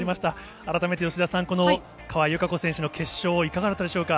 改めて吉田さん、この川井友香子選手の決勝、いかがだったでしょうか。